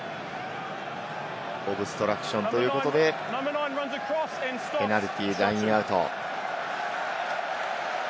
オブストラクションということでペナルティー、ラインアウト。